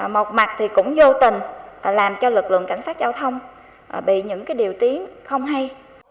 một mặt thì cũng vô tình làm cho lực lượng cảnh sát giao thông bị những điều tiến không hay